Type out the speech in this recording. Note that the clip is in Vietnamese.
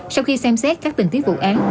sau khi xem xét các tình tiết vụ án